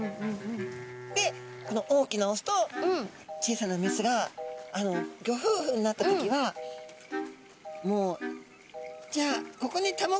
でこの大きなオスと小さなメスがギョ夫婦になった時は「もうじゃあここに卵を産みます」